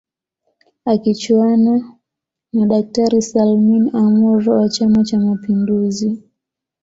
Akichuana na daktari Salmin Amour wa chama cha mapinduzi